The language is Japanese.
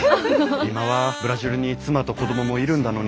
今はブラジルに妻と子供もいるんだのに。